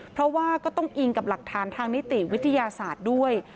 เพราะว่าก็ต้องอิงกับหลักฐานทางนิติวิทยาศาสตร์ด้วย